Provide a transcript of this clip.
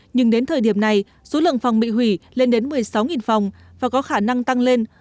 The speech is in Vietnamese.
nhưng đến thời điểm này số lượng phòng bị hủy lên đến một mươi sáu phòng và có khả năng tăng lên